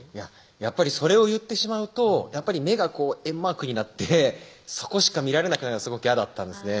やっぱりそれを言ってしまうと目が円マークになってそこしか見られなくなるのがすごく嫌だったんですね